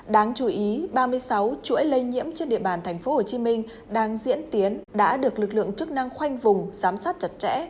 đáng chú ý ba mươi sáu chuỗi lây nhiễm trên địa bàn tp hcm đang diễn tiến đã được lực lượng chức năng khoanh vùng giám sát chặt chẽ